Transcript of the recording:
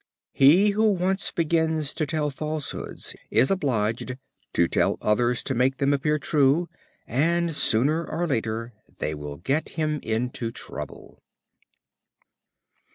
He who once begins to tell falsehoods is obliged to tell others to make them appear true, and, sooner or later, they will get him into trouble.